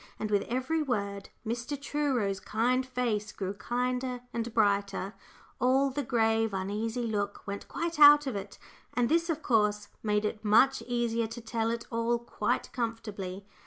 And with every word Mr. Truro's kind face grew kinder and brighter; all the grave, uneasy look went quite out of it, and this, of course, made it much easier to tell it all quite comfortably.